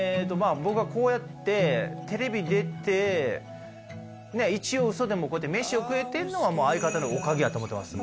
僕はこうやってテレビ出てねっ一応嘘でもこうやって飯を食えてるのは相方のおかげやと思ってます